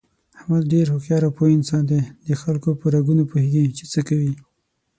احمد ډېر هوښیار او پوه انسان دی دخلکو په رګونو پوهېږي، چې څه کوي...